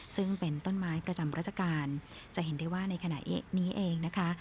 ซึ่งเป็นต้นไม้ประจำราชการจะเห็นได้ว่าในขณะนี้เองนะคะ